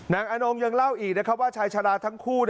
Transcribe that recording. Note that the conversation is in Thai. อนงยังเล่าอีกนะครับว่าชายชาลาทั้งคู่